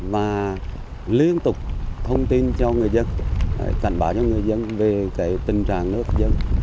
và liên tục thông tin cho người dân cảnh báo cho người dân về tình trạng nước dân